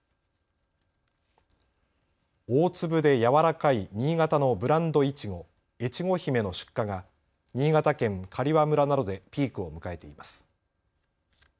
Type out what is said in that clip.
大粒でやわらかい新潟のブランドいちご、越後姫の出荷が新潟県刈羽村などでピークを迎えています。